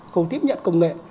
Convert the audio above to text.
khâu tiếp nhận công nghệ